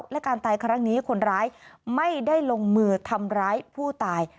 และการตายครั้งนี้คนร้ายไม่ได้ลงมือทำร้ายผู้ตาย